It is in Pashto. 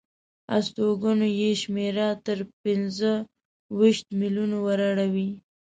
استوګنو یې شمېره تر پنځه ویشت میلیونو وراوړي.